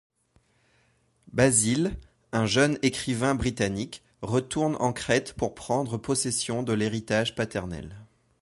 Basil, un jeune écrivain britannique, retourne en Crète pour prendre possession de l’héritage paternel.